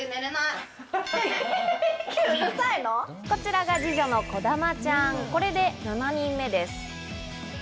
こちらが二女の小珠ちゃん、これで７人目です。